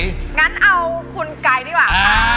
งั้นเอาคุณไก่ดีกว่าค่ะ